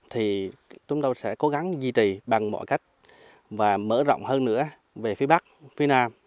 thì chúng tôi sẽ cố gắng duy trì bằng mọi cách và mở rộng hơn nữa về phía bắc phía nam